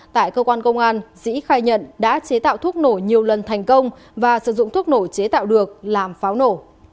tại cơ quan công an dĩ khai nhận đã chế tạo thuốc nổ nhiều lần thành công và sử dụng thuốc nổ chế tạo được làm pháo nổ